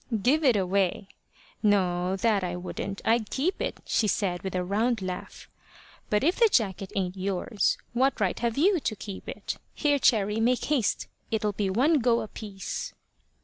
"Give it away! No, that I wouldn't; I'd keep it," she said, with a rough laugh. "But if the jacket ain't yours, what right have you to keep it? Here, Cherry, make haste. It'll be one go apiece."